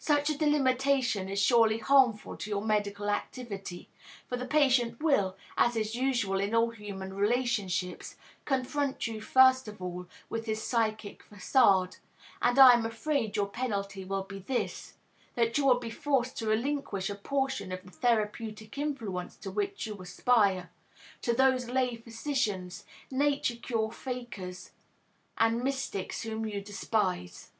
Such a delimitation is surely harmful to your medical activity, for the patient will, as is usual in all human relationships, confront you first of all with his psychic facade; and I am afraid your penalty will be this, that you will be forced to relinquish a portion of the therapeutic influence to which you aspire, to those lay physicians, nature cure fakers and mystics whom you despise.